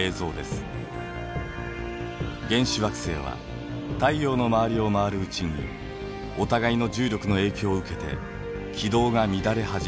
原始惑星は太陽の周りを回るうちにお互いの重力の影響を受けて軌道が乱れ始めます。